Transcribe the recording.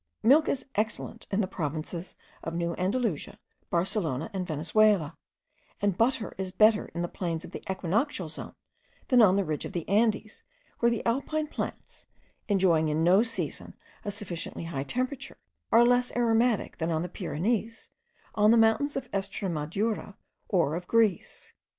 Milk is excellent in the provinces of New Andalusia, Barcelona, and Venezuela; and butter is better in the plains of the equinoctial zone, than on the ridge of the Andes, where the Alpine plants, enjoying in no season a sufficiently high temperature, are less aromatic than on the Pyrenees, on the mountains of Estremadura, or of Greece.